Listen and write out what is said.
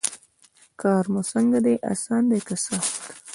کار مو څنګه دی اسان دی که سخت.